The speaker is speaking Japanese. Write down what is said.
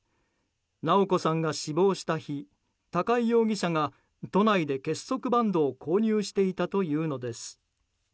直子さんが死亡した日高井容疑者が都内で結束バンドを購入していたというのです。